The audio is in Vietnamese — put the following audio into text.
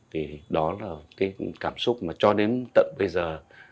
thì đó là cái cảm xúc mà cho đến tận bây giờ